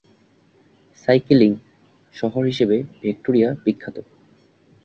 Cycling শহর হিসেবে Victoria বিখ্যাত।